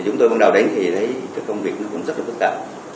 chúng tôi bắt đầu đến khi thấy công việc rất phức tạp